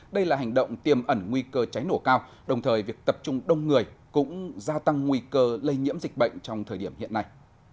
đây là hành động tiêm ẩn nguy cơ cháy nổ cao đồng thời việc tập trung đông người cũng gia tăng nguy cơ lây nhiễm dịch bệnh trong thời điểm hiện nay